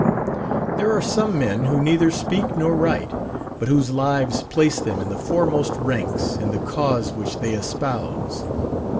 There are some men who neither speak nor write, but whose lives place them in the foremost ranks in the cause which they espouse.